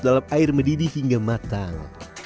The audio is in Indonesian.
dalam air mendidih hingga matang